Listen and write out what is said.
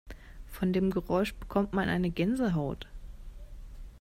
Von dem Geräusch bekommt man eine Gänsehaut.